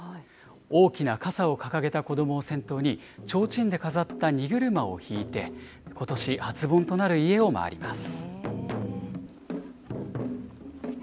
大きな傘を掲げた子どもを先頭に、ちょうちんで飾った荷車を引いて、ことし初盆となる家を回ります。